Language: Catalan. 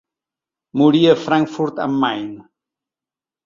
Morí a Frankfurt am Main.